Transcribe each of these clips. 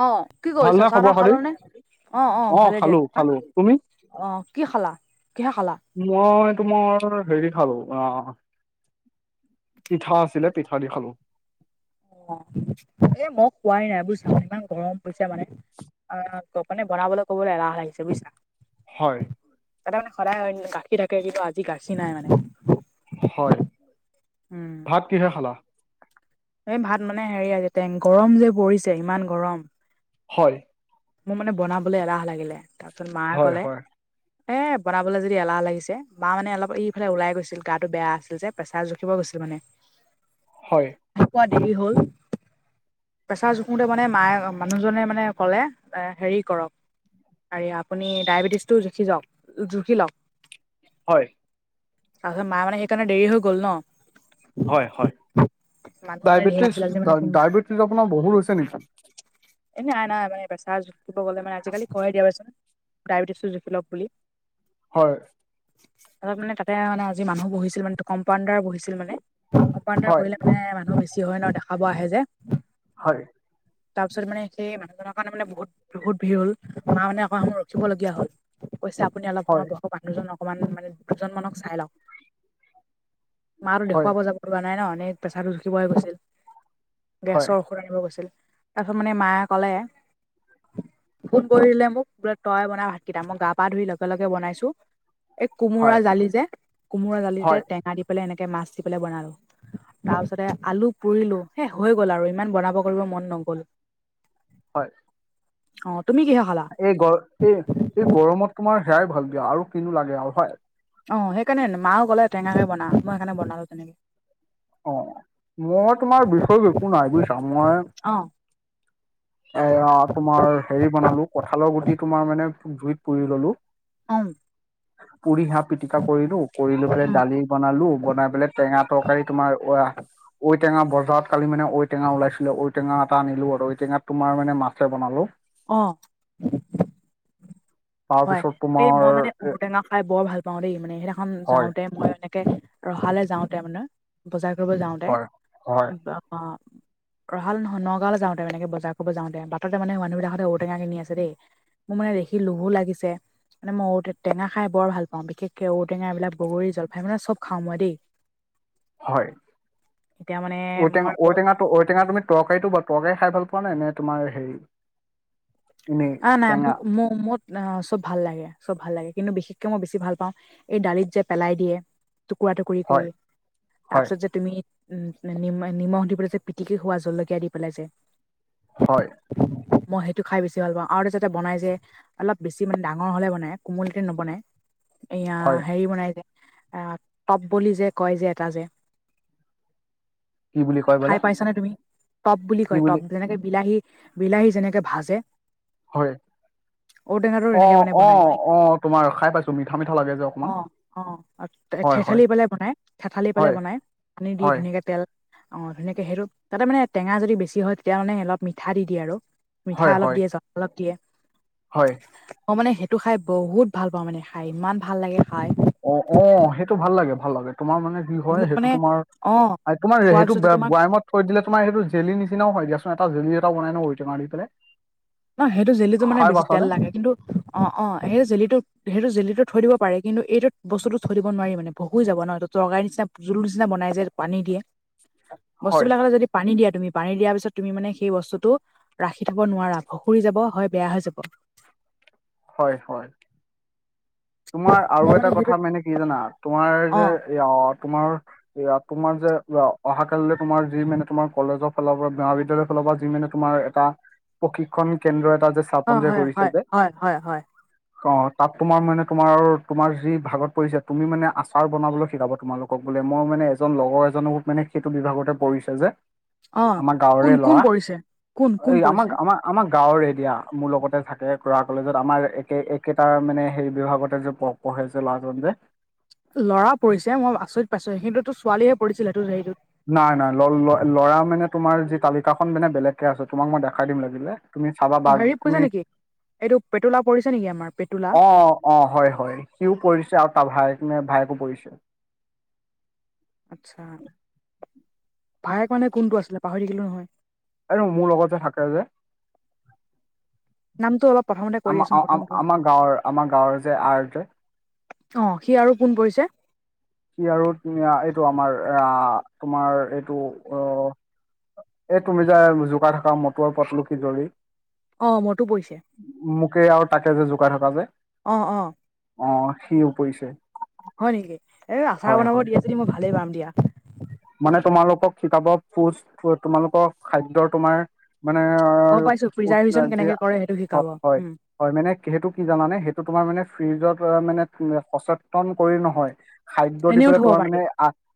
অ কি কৰিছা ভালনে চাহ খবৰ তাহ খাতি? খাল নে অ অ ভালে দিয়া খালো খালো। তমাৰ তুমি? অ কি খালা কিহে খালা মই তোমাৰ হেৰি খালো অ পিঠা আছিলে পিঠা দি খালো অ এ মই খোৱাই নাই বু চাম ইমান গৰম পৰিছো মানে অ মানে বনাবলৈ ক'বলৈ এলাহ লাগিছে বুজিছা হয় তাতে মানে সদায় গাখীৰ থাকে কিন্তু আজি গাখি নাই মানে হয় উম ভাত কিহে খালা এই ভাত মানে হেৰি আছে গৰম যে পৰিছে ইমান গৰম হয় মোৰ মানে বনাবলৈ এলাহ লাগিলে তাৰপিছত মায়ে হয় কলে হয় এ বনাবলৈ যদি এলাহ লাগিছে মা মানে অলপ ইফালে ওলাই গৈছিল গাটো বেয়া আছিল যে পেচা জখিব গৈছিল মানে হয় ৰাতিুৱা দেৰি হল পেছা জুখোতে মানে মায়ে মানুহজনে মানে কলে এ হেৰি কৰক আৰু আপুনি ডায়েবেটিছটো জুখি যাওক জুখি লওক হয় তাৰিছত মে সেইকাৰণে দেৰি হৈ গল ন হয়, হয় মানুহ মানে ধেৰ ডায়বেটিছ আছিলে আজি ডায়বেটিছ আপোনাৰ বহুত হৈছে নেকি? এনে নাই, নাই মান [unintelligible] তাৰ জুকিব গ'লে মানে আজিকালি কই দিয়াচোন ডায়বেটিছ জুখি লওঁক বুলি হয়। তাতে মান তাতে মানে আজি মানুহ বহিছিল মানে কম্পাউণ্ডাৰ বহিছিল মানে হয় বহিলে মানে মানুহ বেছি হয় ন দেখাব আহে যে হয়। তাৰপিছত মানে সেই মানুহজনৰ কাৰণে মানে বহুত বহুত ভিৰ হ'ল ম মানে আকৌ কবলগীয়া হল কৈছে আপুনি অলপ সময় হয় বয়সত মানুহজন অকমান মানে দুজন মানক চাই লওক। মাৰো হয় দেখুৱাব যাব লগোৱা নাই ন এনে প্ৰেছাৰটো জুখিবই গৈছিল। হয় গেছৰ ঔষধ আনিব গৈছিল তাৰপিছত মানে মায়ে ক'লে ফোন কৰিলে মোক বোলে তই বনাই ভাতকেইটা মই গা-পা ধুই লগে, লগে বনাইছোঁ। এই কোমোৰা হয় জালি যে কোমোৰা হয় জালিতে টেঙা দি পেলাই এনেকে মাছ দি পেলাই বনালোঁ। তাৰ পিছতে আলু পুৰিলো সেই হৈ গ'ল আৰু ইমান বনাব কৰিব মন নগ'ল। হয়। অ', তুমি কিহে খালা? এই গ এই এই গৰমত তোমাৰ হেয়াই ভাল দিয়া আৰু কিনো লাগে আৰু হয়। অ', সেইকাৰণে মাও ক'লে টেঙাক কে বনা মই সেইকাৰণে বনালোঁ তেনেকে অ', মই তোমাৰ বিষয় একো নাই বুজিছা মই অ এ তোমাৰ হেৰি বনালো কঠালৰ গুটি তোমাৰ মানে জুইত পুৰি ললোঁ। অম। পুৰি হাঁহ পিটিকা কৰিলোঁ কৰিলো পেলাই দালি বনালো বনাই পেলাই টেঙা তৰকাৰী তোমাৰ অ'। ঔটেঙা বজাৰত কালি মানে ঔটঙা ওলাইছিলো ঔ টেঙ এটা আনিলো আৰু ঔটেঙাত তোমাৰ মানে মাছে বনালোঁ। অ'। হয় তাৰপিছত এই তোমাৰ মই মানে এ ঔটেঙা খাই বৰ ভাল পাওঁ দেই মানে সেইদিনাখন হয় যাওঁতে মই এনেকে ৰখালে যাওঁতে মানে বজাৰ কৰিব যাওঁতে হয় হয় ৰহা নহ নগাঁওলৈ যাওঁতে তেনেক বজাৰ কৰিব যাওঁতে বাটতে মানে মানুহবিলাক ঔটেঙা কিন আছে দেই মোৰ মানে দেখি লোভো লাগিছে। মানে ম ঔ টেঙা খাই বৰ ভাল পাওঁ বিশেষকে ঔটেঙা এইবিলাক বগৰী জলফাই মানে চব খাওঁ মই দেই। [inaudible] হয়, এতিয়া মানে ঔটেঙা মই বৰ ঔটেঙাটো ঔ টো তুমি তৰকাৰীটো বা তৰকাৰী খাই ভাল পাওঁ নে এনে তোমাৰ হেৰি এনেই অ', নাই টেঙা ম ম ম অ', চব ভাল লাগে চব ভাল লাগে কিন্তু বিশেষকে মই বেছি ভাল পাওঁ এই দালিত যে পেলাই দিয়ে। টুকুৰা টুকুৰি কৰি হয় তাৰ হয় পিছত যে তুমি উম নিমখ দি পেলাই যে পিটিকি হোৱা জলকীয়া দি পেলাই যে। হয়। মই সেইটো খাই পাইছোঁ। দে ভাল পাওঁ আৰু যাতে বনাই যে অলপ বেছি মানে ডাঙৰ হ'লে বনাই কোমলতে নবনায়। এয়া হয় হেৰি বনাই যে এ টপ বুলি যে কয় যে এটা যে কি বুলি কয় খাই বোলে পাইছ নে তুমি টপ বুলি কয় টপ যেনেকে বিলাহী বিলাহী যেনেকে ভাজে হয়। ঔটেঙাটো তেনেকে অ' মানে বনাই অ' মানে অ' তোমাৰ খাই পাইছোঁ। মিঠা মিঠা লাগে যে অকমান। অ', অ' হয় হয় ঠেঠালি পালে বনাই থেথালি পালে হয় বনাই পানী দি হয় ধুনীয়াকে তেল অ' ধুনীয়াকে সেইটো তাতে মানে টেঙা যদি বেছি হয়, তেতিয়া মানে অলপ মিঠা দি দিয়ে আৰু। মিঠা হয় অলপ হয় দিয়ে, জল অলপ দিয়ে। হয়। মই মানে সেইটো খাই বহুত ভাল পাওঁ মানে খাই, ইমান ভাল লাগে খাই। অ' অ', সেইটো ভাল লাগে, ভাল লাগে তোমাৰ মানে কি হয় মোক সেইটো মানে তোমাৰ অ তোমাৰ খোৱাৰ সেইটো পিছতে তোমাক বয়ামত থৈ দিলে তোমাৰ সেইটো জেলী নিচিনাও হয় দিয়াচোন। এটা জেলি এটা বনাই ন, ঔটেঙা দি পেলাই। নহ, সেইটো জেলীটো মানে খাই বেছি তেল পাইছানে লাগে। কিন্তু অ' অ', সেই জেলীটো সেইটো জেলীটো থৈ দিব পাৰে। কিন্তু, এইটোত বস্তুটো থৈ দিব নোৱাৰি মানে। [unintelligible] যাব ন, তৰকাৰী নিচিনা, জোল নিচিনা বনাই যে পানী দিয়ে। হয় বস্তুবিলাক যদি পানী দিয়া, তুমি পানী দিয়াৰ পিছত তুমি মানে সেই বস্তুটো ৰাখি থ'ব নোৱাৰা। অঁসুৰি যাব, হয় বেয়া হৈ যাব। হয়, হয়। তোমাৰ মই আৰু এটা সেইটো কথা মানে কি জানা, তোমাৰ অ যে অ' তোমাৰ এয়া, তোমাৰ যে অহা-কালিলৈ তোমাৰ যি মানে তোমাৰ কলেজৰ ফালৰ পৰা, মহাবিদ্যালয়ৰ ফালৰ পৰা যি মানে তোমাৰ এটা প্ৰশিক্ষন কেন্দ্ৰ এটা যে অ স্থাপন যে হয় হয় কৰিছে যে। হয় হয় হয় অ' তাত তোমাৰ মানে তোমাৰ তোমাৰ যি ভাগত পৰিছে, তুমি মানে আচাৰ বনাবলৈ শিকাব তোমালোকক বোলে। মই মানে এজন লগৰ এজনকো মানে সেইটো বিভাগতে পৰিছে যে অ আমাৰ কোন গাঁৱৰে কোন ল'ৰা, পৰিছে কোন কোন এই আমাক পৰিছে আমা আমাৰ গাঁৱৰ এৰিয়া, মোৰ লগতে থাকে কৰা কলেজত আমাৰ একে একেটা মানে হেৰি বিভাগতে যে পঢ়ে যে ল'ৰাজন যে ল'ৰা পৰিছে, মই আচৰিত পাইছোঁ। সেইখিনিতটো ছোৱালীহে পৰিছিল, সেইটো হেৰিটোত। নাই নাই, ল'ৰা মানে তোমাৰ যি তালিকাখন মানে বেলেগকে আছে, তোমাক মই দেখাই দিম লাগিলে। তুমি চাবা বা অ হেৰি তুমি পৰিছে নেকি? এইটো পেতুলা পৰিছে নেকি আমাৰ পেতুলা। অ অ', হয় হয়, সিও পৰিছে আৰু তাৰ ভায়েক নে ভায়েকো পৰিছে। আচ্ছা। ভায়েক মানে কোনটো আছিলে? পাহৰি থাকিলো নহয়। এইটো মোৰ লগত যে থাকে যে। নামটো অলপ প্ৰথমতে কৈ আমাৰ দিয়াচোন? প্ৰথমটো আমাৰ গাঁৱৰ আমাৰ গাঁৱৰ যে আৰ যে অ' সি আৰু কোন পৰিছে? সি আৰু এইটো আমাৰ আহ তোমাৰ এইটো অ এই, তুমি যে জোকাই থাকা, মটু আৰু পটলু কি জৰি। অ' মটু পৰিছে। মোকে আৰু তাকে যে জোকাই থাকা যে। অ', অ'। অ' সিও পৰিছে। হয় নেকি? এ, আচাৰ হয় বনাব হয় দিয়ে যদি মই ভালেই পাম দিয়া। মানে তোমালোকক শিকাব [unintelligible] তোমালোকৰ খাদ্যৰ তোমাৰ মানে গম পাইছো প্ৰিজাৰ্ভেশ্যন [unintelligible] কেনেকে কৰে সেইটো শিকাব হয়, হয়। উম হয় মানে, সেইটো কি জানানে? সেইটো তোমাৰ মানে ফ্ৰিজত মানে সচেতন কৰি নহয় খাদ্য দি এনেও পেলাই থব তোমাৰ পাৰি মানে,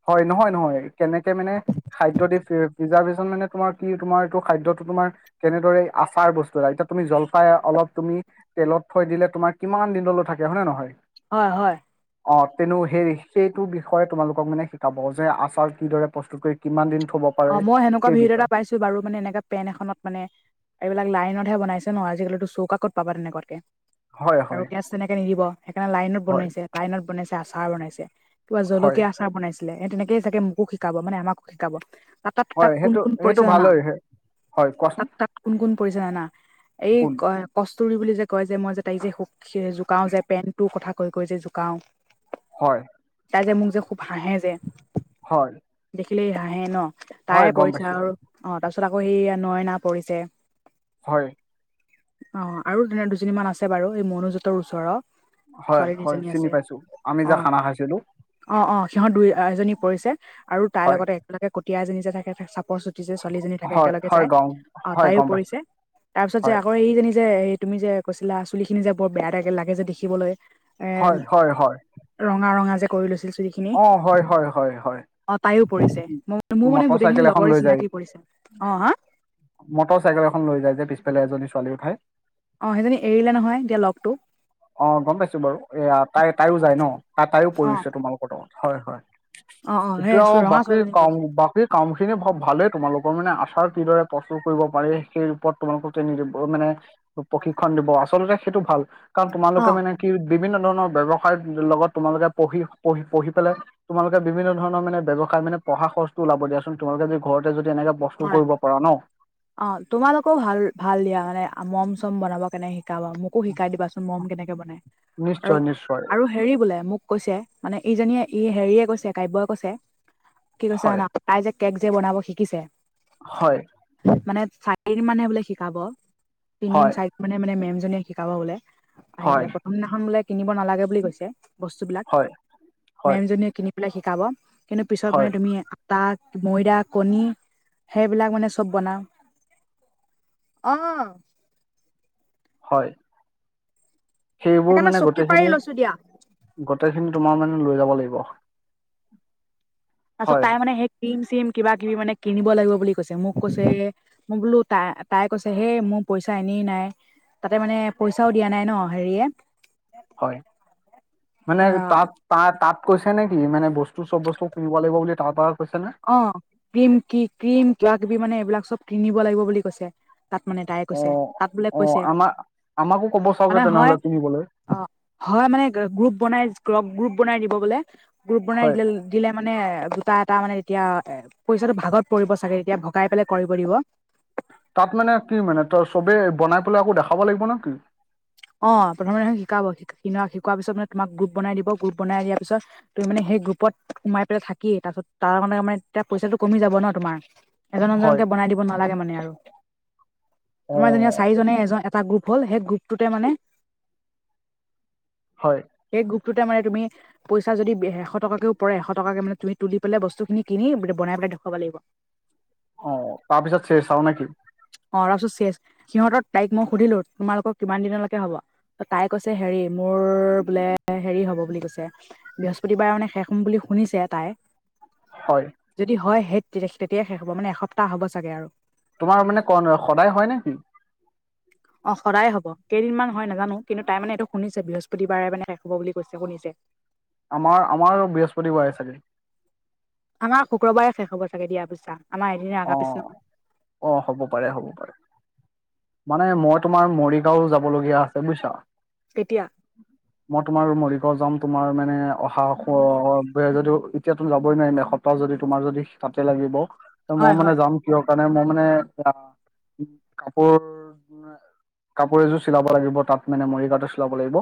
হয় নহয় নহয়, কেনেকে মানে খাদ্য, দিদাৰভিজন মানে তোমাৰ কি তোমাৰ এইটো খাদ্যটো তোমাৰ তেনেদৰে আচাৰ বস্তু এটা এতিয়া তুমি জলফাই অলপ তুমি তেলত থৈ দিলে তোমাৰ কিমান দিনলৈ থাকে হয়নেে নহয় হয় হয় অ তেনেো সেই সেইটো বিষয়ে তোমালোকক মানে শিকাব যে আচাৰ কিদৰে প্ৰস্তুত কৰি কিমান দিন থব অ পাৰে মই সেনেকুৱা সেই ভিত এটা বিষয়ে পাইছো বাৰু মানে এনেককা পেন এখনত মানে এইবিলাক লাইনতহে বনাইছে ন আজিকালিিতো চৌকা কত পাবা তেনেকুৱতকে হয় আৰু হয় গেছ তেনেকে নিদিব সেইকাৰণে লাইনত হয় বনাইছে লাইনত বনাইছে আচাৰ বনাইছে কিবা হয় জলকীয়া আচাৰ বনাইছিলে স তেনেকে চাগে মোকো শিকাব মানে আমাকো শিকাব ত তাত হয় তাত কোন সেইটো কোন সেইটো পৰিচা না ভালেই হয় হয়, কোৱাচোন তাত তাত কোন কোন পৰিছো জাননা এই কোন ক কস্তুৰিী বুলি যে কয় যে মই যে তাই যে জোকাও যে পেণ্টটোৰ কথা কৈ কৈ যে জোকাও হয় তাই যে মোক যে খুব হাঁহে যে হয় দেখিলে হাঁহে ন হয়, তাই গম পৰিছে পাইছো। আৰু অ তাৰ পিছত আকৌ সেই নয়না পৰিছে হয় অ আৰু তেনে দুজনীমান আছে বাৰু এই মনোজোঁতৰ ওচৰৰত হয় হয় চিনি পাইছো আমি অ যা খানা খাইছিলো অ অ সিহত দুই এজনী পৰিছে আৰু তাৰৰ হয়, লগতে একেলগে তিয়াজজনী যে থাকে চাপৰ চটি যে ছোৱালীজনী ে হয়, হয়, গম য হয়, তাইো গম পৰি পাইছো। তাৰপিছত হয়, তুমি যে কৈছিলা চুলি খিনি যে বৰ বেয়াাগে লাগে যে দেখিবলৈ এ হয় হয় হয় ৰঙা ৰঙা যে কৰি লৈছিল চুুলিখিনি অ', হয়, হয়, হয়, হয়। অ তাইো পৰিছে ম মোৰ মানে মটৰ গোটেইখিনি চাইকেল এখন লগৰে লৈ যায়, চিনাকি পৰিছে অ হা মটৰ চাইকেল এখন লৈ যায় যে পিছফালে এজনী ছোৱালীৰ ঠাই অ সেইজনী এৰিলে নহয় দ অ গম পাইছো বাৰু এ তাই তাইও যায় ন তাই তাইও অ পৰিছে তোমালোক ব্ত হয় হয় অ অ এতিয়া সেই ৰঙা বাকী ছোৱালীজনী কাম কৈছে বাকী কামখিনি ভালেই তোমালোকৰ মানে আচাৰ কিদৰে প্ৰস্তুত কৰিব পাৰি সেই ওপৰত তোমালোকক ট্ৰেইনি দিব মানে প্ৰশিক্ষণ দিব আচলতে সেইটো ভাল কাৰণ অ তোমালোকে মানে কি বিভিন্ন ধৰণৰ ব্ৱসায়ৰ লগত তোমালোকে পঢ়ি পঢ়ি পঢ়ি পেলাই তোমালোকে বিভিন্ন ধৰণৰ মানে ব্যয়ৱসায় মানে পঢ়া খৰচটো ওলাব দিয়াচোন তোমালোকে যদি ঘৰতে যদি এনেকুৱা বস্তু হয়। কৰিব পৰা ন অ তোমালোকেও ভাল ভাল দিয়া মানে মম চম বনাব কেনেক শিকাবা মোক ো শিকাই দিবাচোন মম কেনেকে বনাই আৰু নিশ্চয় নিশ্চয় আৰু হেৰি বোলে মোক কৈছে মানে ইজনীয়ে ই হেৰিয়ে কৈছে কাব্যয়ই কৈছে কি কৈছে হয় জানা আই যে কেক যে বনাব শিকিছে হয় মানে চাৰিদিন মানহে বোলে শিকাব তিনদিন হয় চাৰিদিন মহে মানে মেমজনীয়ে শিকাব বোলে হয় আহ প্ৰথম দিনাখন বোলে কিনিব নালাগে বুলি কৈছে বস্তুবলাক হয় হয় মেমজনীয়ে কিন শিকাব কিন্তু পিছত হয় মানে তুমি আটা ময়দা কণী সেইবিলাক মানে চব বনাওঁ অ হয়। সেইবোৰ সেইকাৰণে মানে চকী পাৰি গোটেইখিনি, লৈছো দিয়া গোটেইখিনি তোমাৰ মানে লৈ যাব লাগিব। তাৰিছত হয় তাই মানে সেই কিম চিম কিবা কিবি মানে কিনিব লাগিব বুলি কৈছে মোক কৈছে- মই বোলো তাই তাই কৈছে হেই মোৰ পইচা এনেই নাই। তাতে মানে পইচাও দিয়া নাই ন হেৰিয়ে- হয় মানে তাত ত তাত কৈছে নে কি মানে বস্তু- চব বস্তু কিনিব লাগিব বুলি তাৰ পৰা কৈছেনে? অ, ক্ৰীম কি ক্ৰিম কিবা কিবি মানে এইবিলাক চব কিনিব লাগিব বুলি কৈছে। তাত মানে তাই কৈছে অ', তাত বোলে অ', কৈছে, আমাৰ আমাকো ক'ব চাওগে মানে তেনেহ'লে হয়- কিনিবলৈ অ, হয় মানে গ্ৰুপ বনাই গ্ৰুপ বনাই দিব বোলে গ্ৰুপ বনাই হয়। দিলে- দিলে মানে দুটা এটা মানে তেতিয়া এ পইচাটো ভাগত পৰিব চাগে তেতিয়া ভগাই পেলাই কৰিব দিব। তাত মানে কি মানে তই চবে বনাই পেলাই আকৌ দেখাব লাগিব না? অ প্ৰথমে শিকাব শিকিনোৱা শিকোৱাৰ পিছত মে তোমাক গোট বনাই দিব গোট বন দিয়াৰ পিছত- তুমি মানে সেই গ্ৰুপত সোমাই পেলাই থাকি তাৰপিছত তাৰণে মানে এতিয়া পইচাটো কমি যাব ন তোমাৰ। হয় এজনজনকে বনাই দিব নালাগে মানে আৰু, তোমাৰ যে অ', চাৰিজনে এজন এটা গ্ৰুপ- হ'ল সেই গ্ৰুপটোতে মানে- হয়। সেই গোপটোতে মানে তুমি- পইচা যদি এশ টকাকেও পৰে এশ টকাকে মে তুমি তুলি পেলাই বস্তু খিনি কিনি বনাই পেলাই দেখুৱাবৰ লাগিব। অ তাৰ পিছত চ চাও নেকি? অ ৰলপচোন শেষ সিহঁতৰ তাইক মই সুধিলো তোমালোকক কিমান দিনলৈকে হব। তাই কৈছে হেৰি মোৰ বোলে হেৰি হব বুলি কৈছে- বৃহস্পতিবাৰ মানে শেষ হম বুলি শুনিছে তাই। হয়। যদি হয় সেই তে তেতিয়াই শেষ হ'ব মানে এসপ্তাহ হ'ব চাগে আৰু- তোমাৰ মানে ক ন সদায় হয় নে? অ সদায় হব কেইদিনমান হয় নাজানো কিন্তু তাই মানে এইটো শুনিছে বৃহস্পতিবাৰে মানে শেষ হব বুলি কৈছে শুনিছে। আমাৰ আমাৰ বৃহস্পতিবাৰে চাগে। আমাৰ শুক্ৰবাৰে শেষ হব চাগে দিয়া পইচা আমাৰ এদিনে আগাৰ পিছ অ'। নহয়। অ হ'ব পাৰে হ'ব পাৰে। মানে মই তোমাৰ মৰিগাঁও যাবলগীয়া আছে বুজিছা। তেতিয়া? মই তোমাৰ মৰিগাঁও যাম তোমাৰ মানে অহা যদি এতিয়া ত যাবই নোৱাৰিম এশ- যদি তোমাৰ যদি তাতে লাগিব, মই হয় হয় মানে যাম- কৰ কাৰণে মই মানে এ, কাপোৰ- কাপো এযোৰ চিলাব লাগিব তাত মানে মৰিগাঁওতে চিলাব লাগিব।